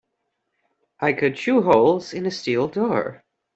I could chew holes in a steel door.